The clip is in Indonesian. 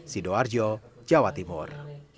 sido arjo jawa timur